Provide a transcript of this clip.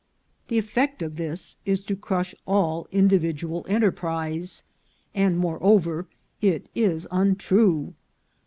The effect of this is to crush all individual enterprise, and. moreover, it is untrue.